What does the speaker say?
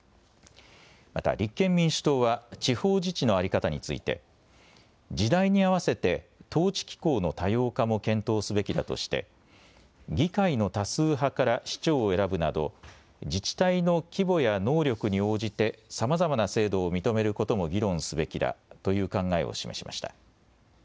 また立憲民主党は地方自治の在り方について時代に合わせて統治機構の多様化も検討すべきだとして議会の多数派から市長を選ぶなど自治体の規模や能力に応じてさまざまな制度を認めることも議論すべきだという考えを示しました。